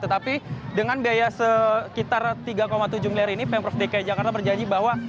tetapi dengan biaya sekitar tiga tujuh miliar ini pemprov dki jakarta berjanji bahwa